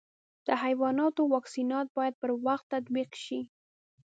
د حیواناتو واکسینات باید پر وخت تطبیق شي.